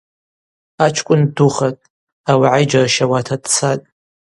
Ачкӏвын ддухатӏ, ауагӏа йджьарщауата дцатӏ.